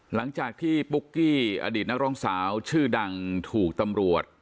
หลังจากที่ปุ๊กกี้อดีตนักร้องสาวชื่อดังถูกตำรวจ